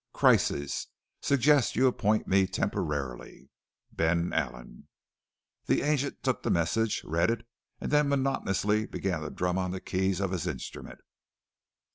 Crisis. Suggest you appoint me temporarily. BEN ALLEN" The agent took the message, read it, and then monotonously began to drum on the keys of his instrument.